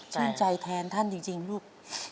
ชื่นใจแทนท่านจริงลูก